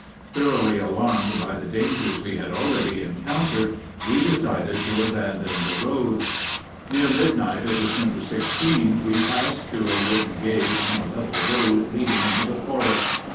Thoroughly alarmed by the dangers we had already encountered, we decided to abandon the roads. Near midnight of December 16 we passed through a wooden gate on a level road leading into the forest.